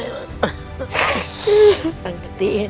อย่างนี้แหละนะ